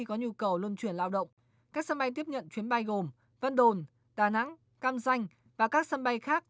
các chuyến bay tiếp nhận chuyến bay gồm vân đồn đà nẵng cam ranh và các sân bay khác